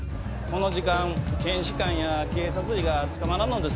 この時間検視官や警察医が捕まらんのですわ。